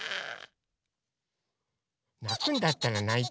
なくんだったらないて。